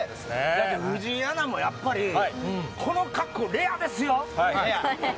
だって藤井アナもやっぱり、この格好、レアですよ。